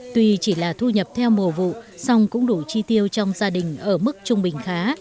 tuy chỉ là thu nhập theo mùa vụ song cũng đủ chi tiêu trong gia đình ở mức trung bình khá